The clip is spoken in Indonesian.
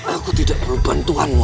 aku tidak perlu bantuanmu